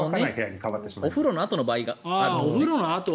お風呂のあとの場合があると。